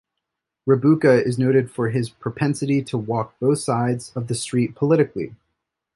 Rabuka is noted for his propensity to walk both sides of the street politically.